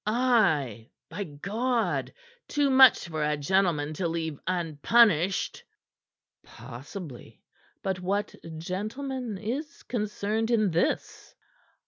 "Ay, by God! Too much for a gentleman to leave unpunished." "Possibly. But what gentleman is concerned in this?"